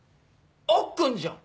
アッくんじゃん！